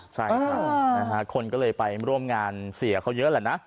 ใช่ครับคนก็เลยไปร่วมงานเสียเขาเยอะแหละนะ